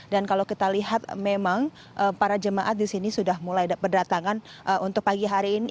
dan kalau kita lihat memang para jemaat di sini sudah mulai berdatangan untuk pagi hari ini